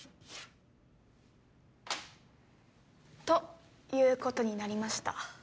ということになりました。